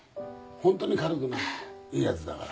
ホントに軽くないいやつだから。